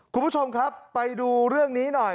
คุณผู้ชมครับไปดูเรื่องนี้หน่อย